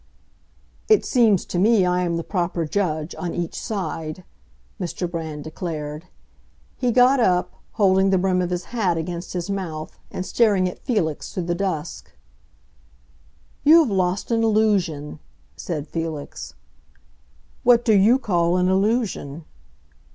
"It seems to me I am the proper judge, on each side," Mr. Brand declared. He got up, holding the brim of his hat against his mouth and staring at Felix through the dusk. "You have lost an illusion!" said Felix. "What do you call an illusion?"